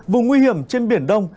vùng nguy hiểm trên biển đông